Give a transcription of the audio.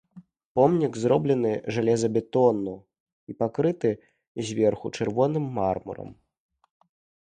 Помнік зроблены жалезабетону і пакрыты зверху чырвоным мармурам.